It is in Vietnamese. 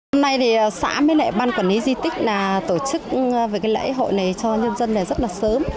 hôm nay xã mới lại ban quản lý di tích tổ chức lễ hội này cho nhân dân rất sớm